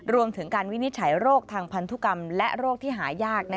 รวมถึงการวินิจฉัยโรคทางพันธุกรรมและโรคที่หายาก